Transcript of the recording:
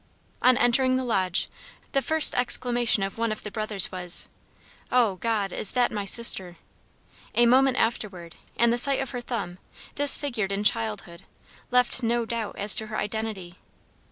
On entering the lodge, the first exclamation of one of the brothers was, "Oh, God! is that my sister!" A moment afterward, and the sight of her thumb, disfigured in childhood, left no doubt as to her identity.